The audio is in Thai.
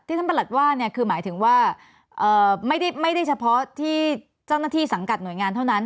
ท่านประหลัดว่าเนี่ยคือหมายถึงว่าไม่ได้เฉพาะที่เจ้าหน้าที่สังกัดหน่วยงานเท่านั้น